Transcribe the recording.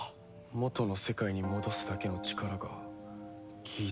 元の世界に戻すだけの力がギーツに？